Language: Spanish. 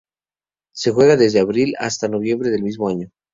Se juega desde abril hasta noviembre del mismo año.